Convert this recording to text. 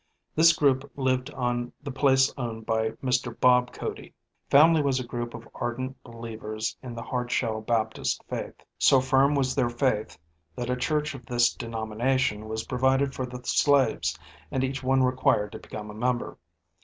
This group lived on the place owned by Mr. Bob Cody, [HW: whose] family was a group of ardent believers in the Hardshell Baptist faith. So firm was their faith that a church of this denomination was provided for the slaves and each one required to become a member.